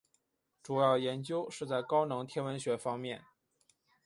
主要研究是在高能天文学方面。